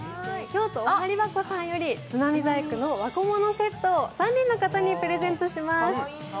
京都おはりばこさんより、つまみ細工の和小物セットを３人の方にプレゼントします。